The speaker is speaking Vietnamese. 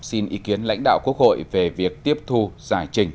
xin ý kiến lãnh đạo quốc hội về việc tiếp thu giải trình